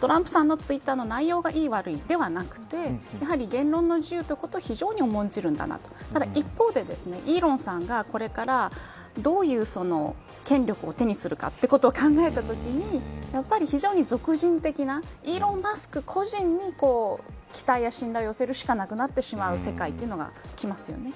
トランプさんのツイッターの内容が、いい悪いではなくてやはり言論の自由ということを非常に重んじるんだなとただ一方でイーロンさんが、これからどういう権力を手にするかということを考えたときにやっぱり非常に属人的なイーロン・マスク、個人に期待や信頼を寄せるしかなくなってしまう世界というのがきますよね。